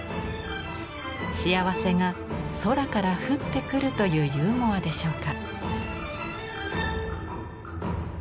幸せが空から降ってくるというユーモアでしょうか？